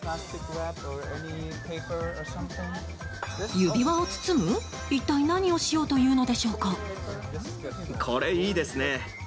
指輪を包む一体、何をしようというのでしょうか。